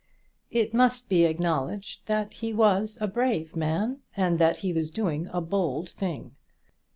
It must be acknowledged that he was a brave man, and that he was doing a bold thing.